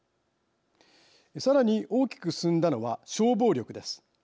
さらに大きく進んだのは消防力です。